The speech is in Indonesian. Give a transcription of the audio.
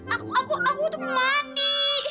aku aku aku itu pemandi